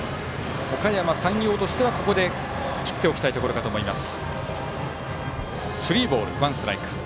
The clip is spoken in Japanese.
おかやま山陽としてはここで切っておきたいところかと思います。